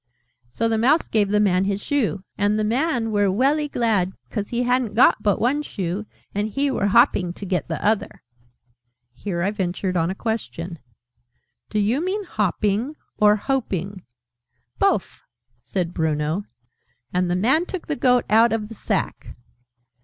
"So the Mouse gave the Man his Shoe. And the Man were welly glad, cause he hadn't got but one Shoe, and he were hopping to get the other." Here I ventured on a question. "Do you mean 'hopping,' or 'hoping'?" "Bofe," said Bruno. "And the Man took the Goat out of the Sack."